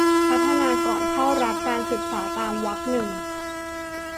พัฒนาก่อนเข้ารับการศึกษาตามวรรคหนึ่ง